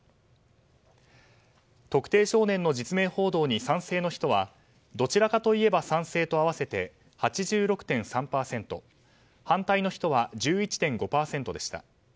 特定少年の実名報道に賛成の人はどちらかといえば賛成と合わせて８６．３％反対の人は１１．５％でした。